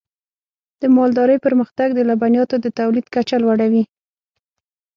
د مالدارۍ پرمختګ د لبنیاتو د تولید کچه لوړوي.